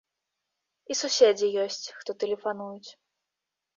І суседзі ёсць, хто тэлефануюць.